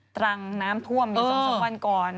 ตรังน้ำท่วมอยู่สักวันก่อน